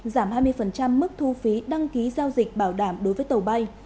giảm hai mươi mức thu phí đăng ký giao dịch bảo đảm đối với tàu bay